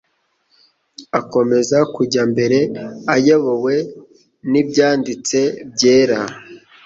agakomeza kujya mbere, ayobowe n'Ibyanditse Byera